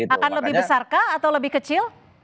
akan lebih besarkah atau lebih kecil